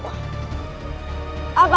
bicara soal tujuan